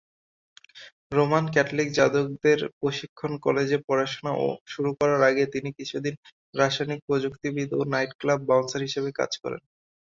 Roman Catholic যাজকদের প্রশিক্ষণ কলেজে পড়াশোনা শুরু করার আগে তিনি কিছুদিন রাসায়নিক প্রযুক্তিবিদ ও 'নাইট ক্লাব বাউন্সার' হিসেবে কাজ করেন।